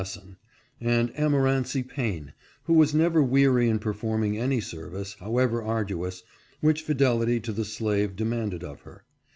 lesson ; and Amorancy Paine, who was never weary in per forming any service, however arduous, which fidelity to the slave demanded of her.